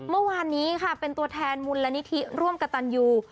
เมื่อวานนี้ค่ะเป็นตัวแทนมูลนิธิร่วมกับตันยู